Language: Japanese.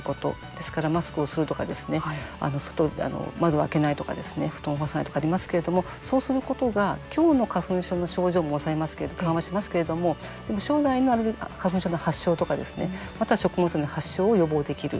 ですから、マスクをするとか窓を開けないとか布団を干さないとかありますけれどもそうすることが、今日の花粉症の症状も抑えますけど緩和しますけれどもでも、将来の花粉症の発症とかまたは食物の発症を予防できる。